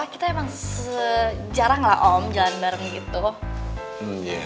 kita emang jarang lah om jalan bareng gitu